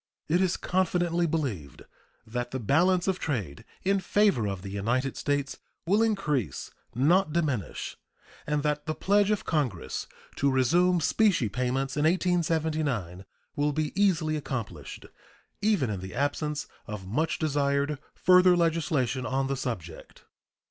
It is confidently believed that the balance of trade in favor of the United States will increase, not diminish, and that the pledge of Congress to resume specie payments in 1879 will be easily accomplished, even in the absence of much desired further legislation on the subject.